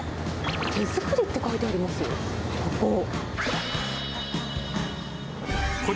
手作りって書いてありますよ、ここ。